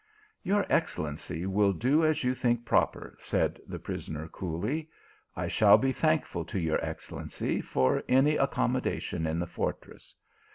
" Your excellency will do as you think proper," said the prisoner coolly. "I shall be thankful to your excellency for any accommodation in the fortress.